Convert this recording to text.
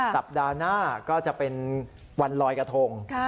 สัปดาห์หน้าก็จะเป็นวันลอยกระทง